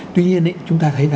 tuy nhiên chúng ta thấy